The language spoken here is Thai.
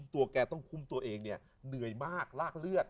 ตัวแกต้องคุ้มตัวเองเนี่ยเหนื่อยมากลากเลือด